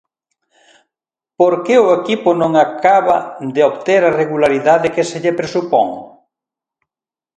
Por que o equipo non acaba de obter a regularidade que se lle presupón?